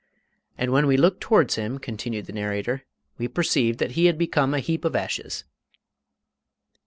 "And when we looked towards him," continued the narrator, "we perceived that he had become a heap of ashes."